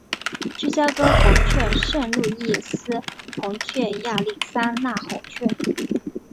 芝加哥红雀圣路易斯红雀亚利桑那红雀